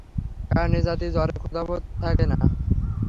কারণ এ-জাতীয় জ্বরে ক্ষুধাবোধ থাকে না।